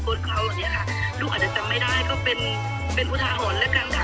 เขาเนี่ยค่ะลูกอาจจะจำไม่ได้ก็เป็นเป็นอุทาหรณ์แล้วกันค่ะ